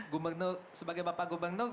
gubernur sebagai bapak gubernur